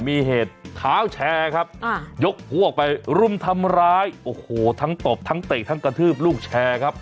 มีเหตุเท้าแชร์ครับยกพวกไปรุมทำร้ายโอ้โหทั้งตบทั้งเตะทั้งกระทืบลูกแชร์ครับ